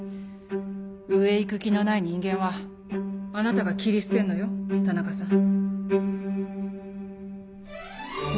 上へ行く気のない人間はあなたが切り捨てんのよ田中さん。